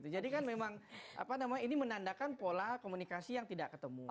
jadi kan memang ini menandakan pola komunikasi yang tidak ketemu